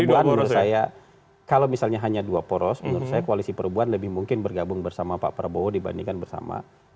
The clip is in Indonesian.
kebuan menurut saya kalau misalnya hanya dua poros menurut saya koalisi perubahan lebih mungkin bergabung bersama pak prabowo dibandingkan bersama